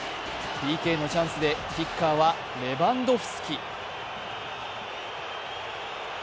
ＰＫのチャンスでキッカーはレバンドフスキ。